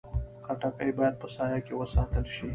خټکی باید په سایه کې وساتل شي.